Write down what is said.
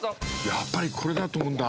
やっぱりこれだと思うんだ。